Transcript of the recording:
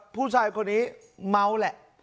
ผู้ชายคนนี้เมาแหละ